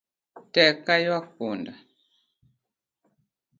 Tek ka ywak punda